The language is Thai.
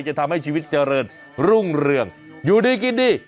จะทำให้ชีวิตเจริญรุ่งเรืองอยู่ดีกินดี